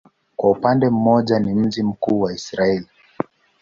Kwa upande mmoja ni mji mkuu wa Israel.